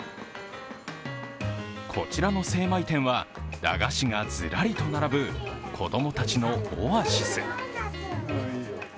こちらの精米店は駄菓子がずらりと並ぶ子供たちのオアシス。